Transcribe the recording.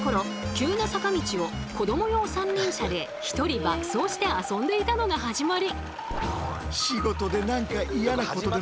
急な坂道を子ども用三輪車で一人爆走して遊んでいたのが始まり。